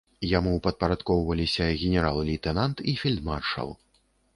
Яму падпарадкоўваліся генерал-лейтэнант і фельдмаршал.